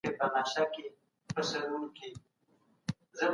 په اسلام کي د بشري حقونو ساتنه یوه اړینه مسله ده.